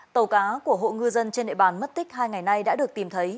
tàu cá của hộ ngư dân trên địa bàn mất tích hai ngày nay đã được tìm thấy